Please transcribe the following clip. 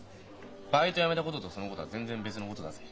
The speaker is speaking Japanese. バイト辞めたこととそのことは全然別のことだぜ。